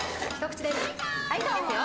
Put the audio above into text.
いいですよ。